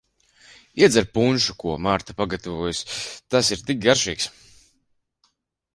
Iedzer punšu, ko Marta pagatavojusi, tas ir tik garšīgs.